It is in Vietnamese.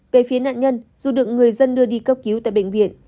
về phía nạn nhân dù được người dân đưa đi cấp cứu tại bệnh viện